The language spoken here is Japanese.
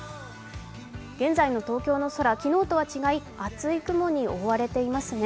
現在の東京の空、昨日とは違い厚い雲に覆われていますね。